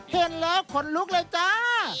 เห็นแล้วขนลุกเลยจ้า